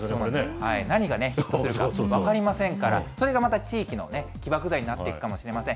何がするか分かりませんから、それがまた地域の起爆剤になっていくかもしれません。